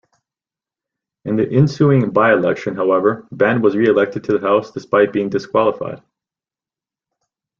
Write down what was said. In the ensuing by-election, however, Benn was re-elected to the House despite being disqualified.